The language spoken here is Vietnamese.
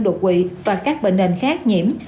đột quỵ và các bệnh nạn khác nhiễm